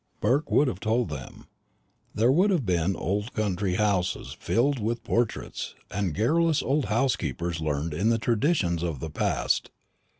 Burke would have told of them. There would have been old country houses filled with portraits, and garrulous old housekeepers learned in the traditions of the past.